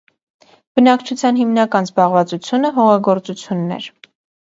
Բնակչության հիմնական զբաղվածությունը հողագործությունն էր։